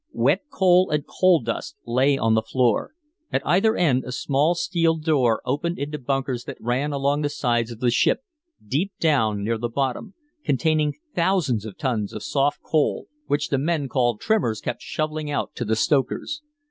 Wet coal and coal dust lay on the floor. At either end a small steel door opened into bunkers that ran along the sides of the ship, deep down near the bottom, containing thousands of tons of soft coal, which the men called "trimmers" kept shoveling out to the stokers.